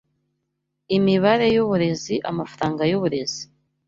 Imibare y’uburezi Amafaranga yuburezi